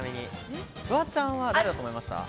フワちゃんは誰だと思いますか？